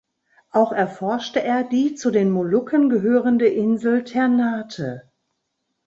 Auch erforschte er die zu den Molukken gehörende Insel Ternate.